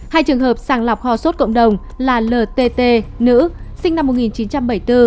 hai trường hợp sàng lọc ho sốt cộng đồng là ltt nữ sinh năm một nghìn chín trăm bảy mươi bốn